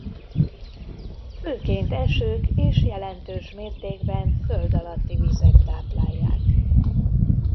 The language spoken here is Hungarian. Főként esők és jelentős mértékben földalatti vizek táplálják.